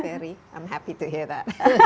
ferry saya senang mendengarnya